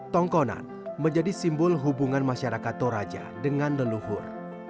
tongkonan menjadi simbol hubungan masyarakat toraja dengan leluhur